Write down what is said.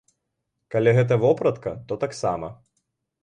Калі гэта вопратка, то таксама.